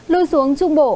lưu xuống trung bộ